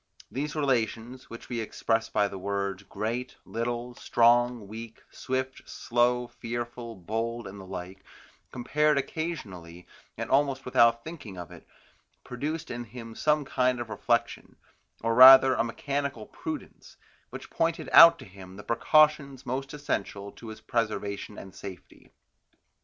These relations, which we express by the words, great, little, strong, weak, swift, slow, fearful, bold, and the like, compared occasionally, and almost without thinking of it, produced in him some kind of reflection, or rather a mechanical prudence, which pointed out to him the precautions most essential to his preservation and safety.